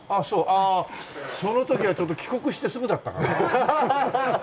ああその時はちょっと帰国してすぐだったからな。